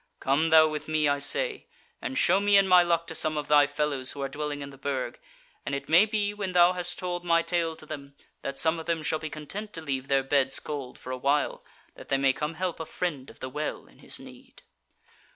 Come thou with me, I say, and show me and my luck to some of thy fellows who are dwelling in the Burg, and it may be when thou hast told my tale to them, that some of them shall be content to leave their beds cold for a while, that they may come help a Friend of the Well in his need."